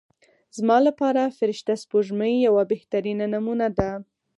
زما لپاره فرشته سپوږمۍ یوه بهترینه نمونه ده.